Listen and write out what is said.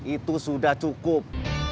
itu sudah cukup